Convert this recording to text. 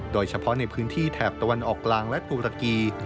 โดยเฉพาะในพื้นที่แถบตะวันออกกลางและตุรกี